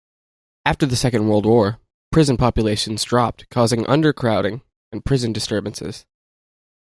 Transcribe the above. After the Second World War, prison populations dropped, causing undercrowding and prison disturbances.